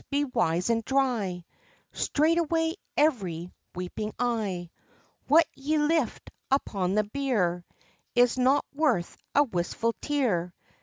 Be wise, and dry Straightway every weeping eye: What ye lift upon the bier Is not worth a wistful tear.